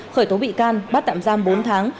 khởi tố bị can bắt tạm giam bốn tháng